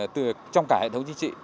trong cả hệ thống chính trị